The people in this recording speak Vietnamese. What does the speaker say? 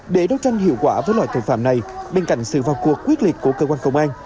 để đấu tranh hiệu quả với loại tội phạm này bên cạnh sự vào cuộc quyết liệt của cơ quan công an